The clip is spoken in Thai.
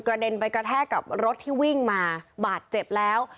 เด็นไปกระแทกกับรถที่วิ่งมาบาดเจ็บแล้ว